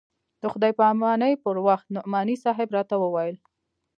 د خداى پاماني پر وخت نعماني صاحب راته وويل.